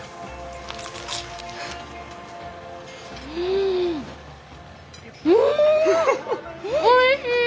んおいしい！